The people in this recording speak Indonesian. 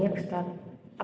saya ingin bertanya ustaz